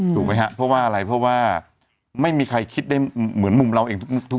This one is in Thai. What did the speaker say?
ถูกไหมครับเพราะว่าอะไรเพราะว่าไม่มีใครคิดได้เหมือนมุมเราเองทุก